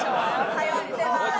通ってます。